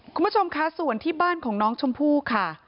คุณผู้ชมคะส่วนที่บ้านของน้องชมพู่ค่ะ